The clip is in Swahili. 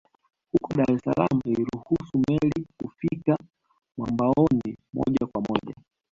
Huko Dar es Salaam iliruhusu meli kufika mwambaoni moja kwa moja